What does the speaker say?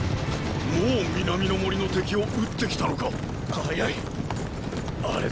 もう南の森の敵を討って来たのか！は速いっ！